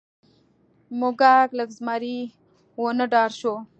موږک له زمري ونه ډار شو.